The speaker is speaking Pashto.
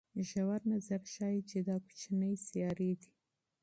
ژور نظر ښيي چې دا کوچنۍ سیارې دي.